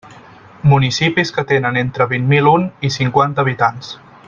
Municipis que tenen entre vint mil un i cinquanta habitants.